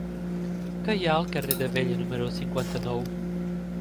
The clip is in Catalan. Què hi ha al carrer d'Abella número cinquanta-nou?